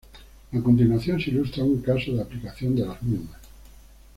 A continuación se ilustra una caso de aplicación de las mismas.